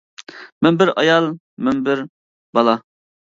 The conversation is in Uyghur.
مەن بىر ئايال مەن بىر بالا.